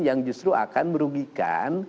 yang justru akan merugikan